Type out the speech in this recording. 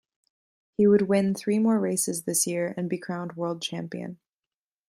He would win three more races this year and be crowned World Champion.